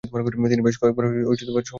তিনি বেশ কয়েকবার সংশোধন করেন।